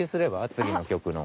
次の曲の。